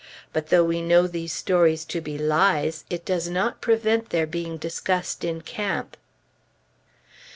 But though we know these stories to be lies, it does not prevent their being discussed in camp."...